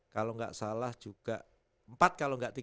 dua ribu sembilan belas kalau gak salah juga empat kalau gak tiga